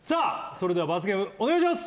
それでは罰ゲームお願いします！